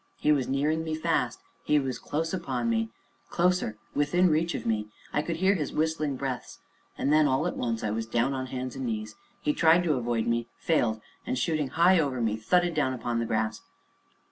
He was nearing me fast he was close upon me closer within reach of me. I could hear his whistling breaths, and then, all at once, I was down on hands and knees; he tried to avoid me failed, and, shooting high over me, thudded down upon the grass.